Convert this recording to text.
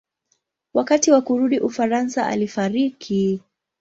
Wakati wa kurudi Ufaransa alifariki.